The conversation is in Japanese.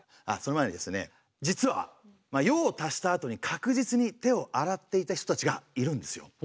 あその前にですね実は用を足したあとに確実に手を洗っていた人たちがいるんですよ。